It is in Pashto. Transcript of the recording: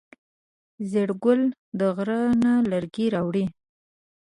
زیړ ګل د غره نه لرګی راوړی.